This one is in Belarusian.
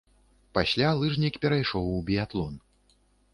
Пасля лыжнік перайшоў у біятлон.